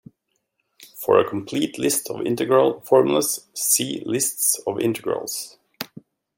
For a complete list of integral formulas, see lists of integrals.